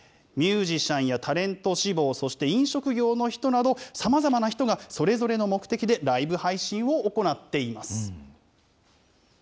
ミュージシャンやタレント志望、そして飲食業の人など、さまざまな人が、それぞれの目的でライブ配信を行っています。